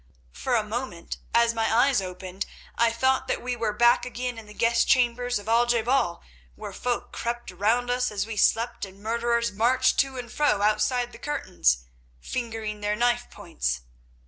"For a moment, as my eyes opened, I thought that we were back again in the guest chambers of Al je bal, where folk crept round us as we slept and murderers marched to and fro outside the curtains, fingering their knife points.